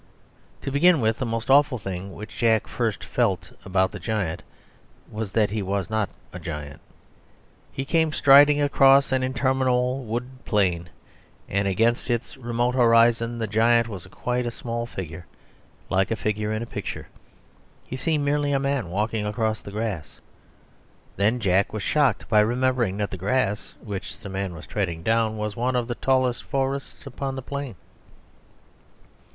To begin with, the most awful thing which Jack first felt about the giant was that he was not a giant. He came striding across an interminable wooded plain, and against its remote horizon the giant was quite a small figure, like a figure in a picture he seemed merely a man walking across the grass. Then Jack was shocked by remembering that the grass which the man was treading down was one of the tallest forests upon that plain.